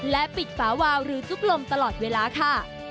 และปิดฝาวาวหรือจุ๊บลมตลอดเวลาค่ะ